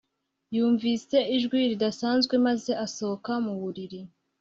Yumvise ijwi ridasanzwe maze asohoka mu buriri